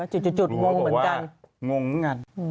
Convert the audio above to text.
หัวบอกว่างงงัด